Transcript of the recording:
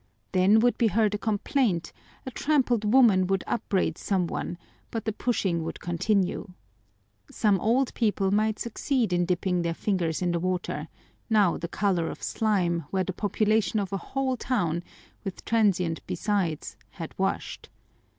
Then would be heard a complaint, a trampled woman would upbraid some one, but the pushing would continue. Some old people might succeed in dipping their fingers in the water, now the color of slime, where the population of a whole town, with transients besides, had washed.